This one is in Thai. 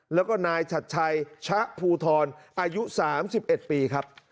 แล้วก็นายชัดชัยชะภูทรอายุ๓๑ปีครับ